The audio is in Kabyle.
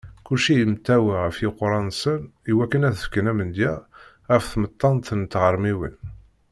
Kulci yemtawa ɣef yiqerra-nsen iwakken ad fken amedya ɣef tmettant n tɣermiwin.